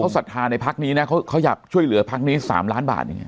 เขาสัตว์ธาในพักษณ์นี้นะเขาอยากช่วยเหลือพักษณ์นี้๓ล้านบาทอย่างนี้